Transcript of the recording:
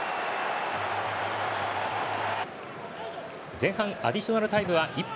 前半アディショナルタイムは１分。